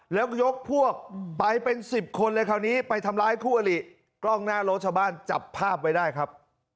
แล้วยกพวกไปเป็นสิบคนเลยคราวนี้ไปทำร้ายคู่อลิกล้องหน้ารถชาวบ้านจับภาพไว้ได้ครับ